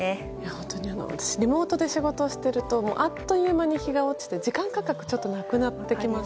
本当に私、リモートで仕事をしているとあっという間に日が落ちて時間感覚がなくなってきます。